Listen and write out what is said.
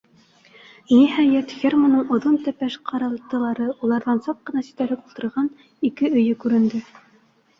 Ниһәйәт, ферманың оҙон тәпәш ҡаралтылары, уларҙан саҡ ҡына ситтәрәк ултырған ике өйө күренде.